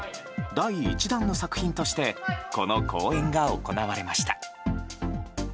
第１弾の作品としてこの公演が行われました。